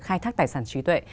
khai thác tài sản trí tuệ